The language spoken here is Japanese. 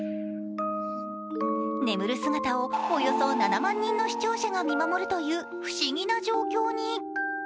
眠る姿をおよそ７万人の視聴者が見守るという不思議な状況に。